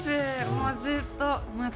もう、ずっと。